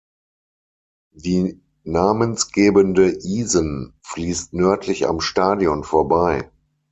Die namensgebende Isen fließt nördlich am Stadion vorbei.